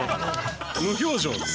無表情で。